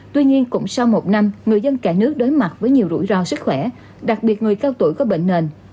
tuy nhiên cũng sau một năm người dân cả nước đối mặt với nhiều rủi ro sức khỏe đặc biệt người cao tuổi có bệnh nền